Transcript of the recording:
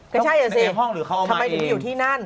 ก็ใช่นะเสนทำไมเขาไม่ได้อยู่ที่นั่น